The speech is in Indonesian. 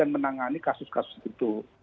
menangani kasus kasus itu